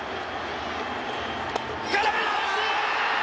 空振り三振！